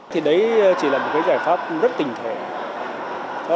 thì đấy chỉ là một cái giải pháp rất tình thể